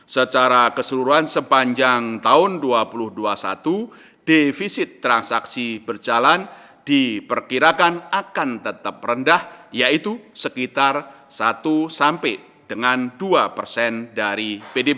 secara keseluruhan sepanjang tahun dua ribu dua puluh satu defisit transaksi berjalan diperkirakan akan tetap rendah yaitu sekitar satu sampai dengan dua persen dari pdb